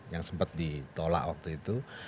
yang sempat ditolak waktu itu